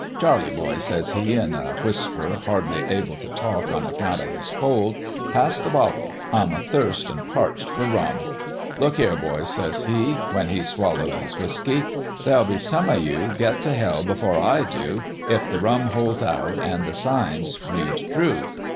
'Charlie, boy, 1 says he, in a whisper, hardly able t' talk on account of his cold, ' pass the bottle. I'm athirst an' parched for rum. Look here, boys,' says he, when he'd swallowed A LITTLE ABOUT LIFE 197 his whiskey. 'There'll be some o' you get t 1 hell before I do if the rum holds out an' the signs read true.